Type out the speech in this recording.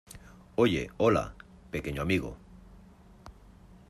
Oye, hola , pequeño amigo.